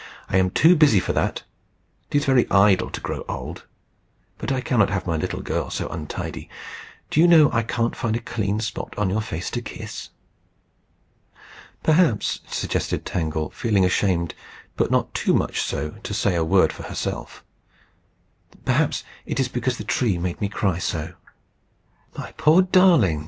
"I am too busy for that. It is very idle to grow old. But I cannot have my little girl so untidy. Do you know I can't find a clean spot on your face to kiss?" "Perhaps," suggested Tangle, feeling ashamed, but not too much so to say a word for herself "perhaps that is because the tree made me cry so." "My poor darling!"